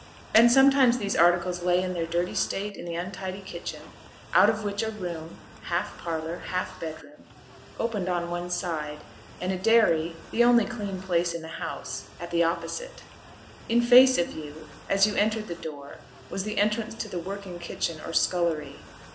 And sometimes these articles lay in their dirty state in the untidy kitchen, out of which a room, half parlour, half bedroom, opened on one side, and a dairy, the only clean place in the house, at the opposite. In face of you, as you entered the door, was the entrance to the working kitchen, or scullery.